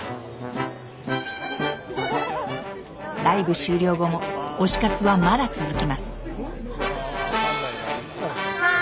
ライブ終了後も推し活はまだ続きます。